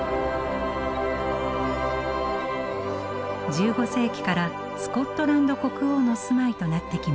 １５世紀からスコットランド国王の住まいとなってきました。